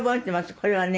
これはね